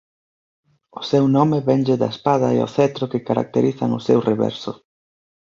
O seu nome vénlle da espada e o cetro que caracterizan o seu reverso.